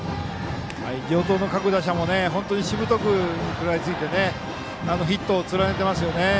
城東の各打者も本当にしぶとく食らいついてヒットをつないでいますね。